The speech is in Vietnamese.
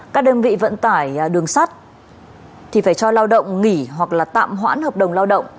các đơn vị vận tải đường sắt thì phải cho lao động nghỉ hoặc là tạm hoãn hợp đồng lao động